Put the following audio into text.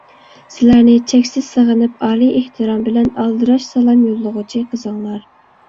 سىلەرنى چەكسىز سېغىنىپ، ئالىي ئېھتىرام بىلەن ئالدىراش سالام يوللىغۇچى: قىزىڭلار.